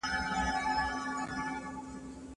هغه د زور کارولو وروستۍ لار ګڼله.